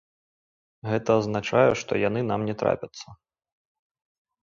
Гэта азначае, што яны нам не трапяцца.